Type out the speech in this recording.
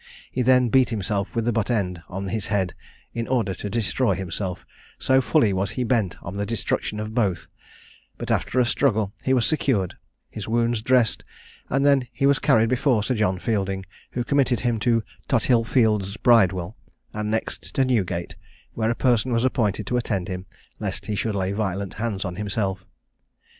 He then beat himself with the butt end, on his head, in order to destroy himself, so fully was he bent on the destruction of both; but after a struggle he was secured, his wounds dressed, and then he was carried before Sir John Fielding, who committed him to Tothillfields' Bridewell, and next to Newgate, where a person was appointed to attend him, lest he should lay violent hands on himself.